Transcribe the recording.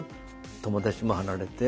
友達も離れて。